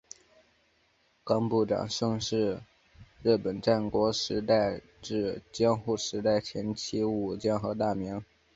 冈部长盛是日本战国时代至江户时代前期武将和大名。